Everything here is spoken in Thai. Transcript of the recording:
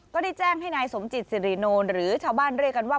ก็ได้แจ้งให้นายสมจิตสิริโนหรือชาวบ้านเรียกกันว่า